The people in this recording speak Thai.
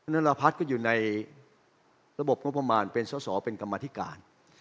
นรพัฒน์ก็อยู่ในระบบงบประมาณเป็นสอสอเป็นกรรมธิการ